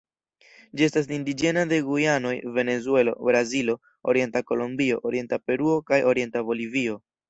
Ĝi estas indiĝena de Gujanoj, Venezuelo, Brazilo, orienta Kolombio, orienta Peruo, kaj orienta Bolivio.